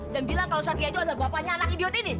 dan bilang kalau satria itu adalah bapanya anak idiot ini